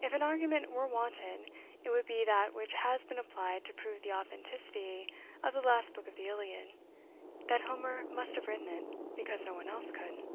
If an argument were wanted, "it would be that which has been applied to prove the authenticity of the last book of the Iliad, that Homer must have written it, because no one else could."